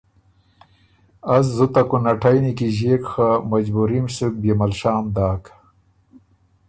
از زُت ا کُنټئ نیکیݫيېک خه که مجبُوري م سُک بيې مل شام داک۔